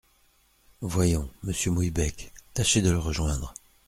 Voyons… monsieur Mouillebec… tâchez de le rejoindre !